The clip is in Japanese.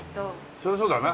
そりゃあそうだな。